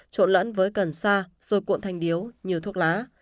trộn lẫn với cần sa rồi cuộn thanh điếu như thuốc lá